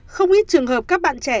không ít trường hợp các bạn trẻ